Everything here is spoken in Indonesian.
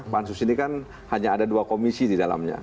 pansus ini kan hanya ada dua komisi di dalamnya